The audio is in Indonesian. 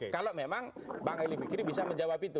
kalau memang bang eli fikri bisa menjawab itu